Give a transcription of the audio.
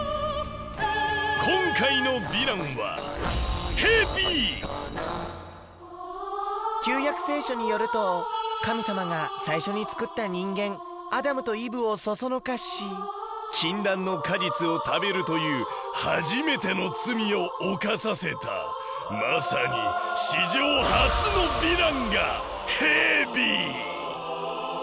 今回のヴィランは旧約聖書によると神様が最初につくった人間アダムとイブをそそのかし禁断の果実を食べるという初めての罪を犯させたまさに史上初のヴィランがヘビ！